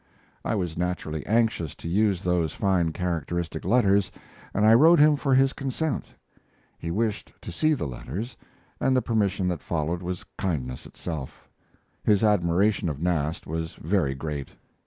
I was naturally anxious to use those fine characteristic letters, and I wrote him for his consent. He wished to see the letters, and the permission that followed was kindness itself. His admiration of Nast was very great.